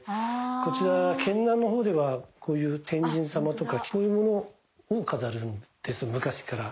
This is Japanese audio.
こちら県南の方ではこういう天神さまとかこういうものを飾るんです昔から。